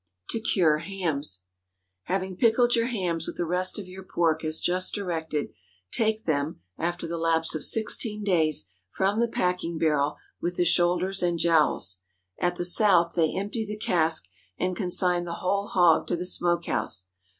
TO CURE HAMS. Having pickled your hams with the rest of your pork as just directed, take them, after the lapse of sixteen days, from the packing barrel, with the shoulders and jowls. At the South they empty the cask, and consign the "whole hog" to the smoke house.